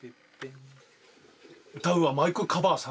歌うはマイクカバーさんです。